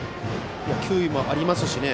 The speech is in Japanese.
球威もありますしね